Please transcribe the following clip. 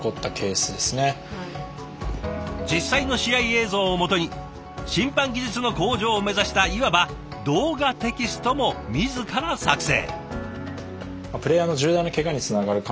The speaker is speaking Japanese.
実際の試合映像をもとに審判技術の向上を目指したいわば「動画テキスト」も自ら作成。